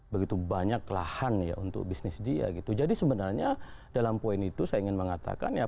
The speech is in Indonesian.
begitu banyak lahan ya untuk bisnis dia gitu jadi sebenarnya dalam poin itu saya ingin mengatakan ya